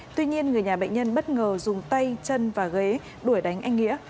tuy nhiên người nhà bệnh nhân bất ngờ dùng tay chân và ghế đuổi đánh anh nghĩa